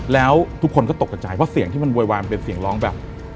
แล้วทุกคนก็ตกกระใจเพราะเสียงที่มันโวยวายมันเป็นเสียงร้องแบบ